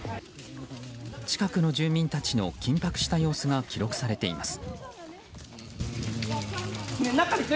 近くの住民たちの緊迫した様子が記録されています。